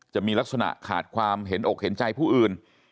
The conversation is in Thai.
จะมีลักษณะขาดความเห็นอกเห็นใจผู้อื่น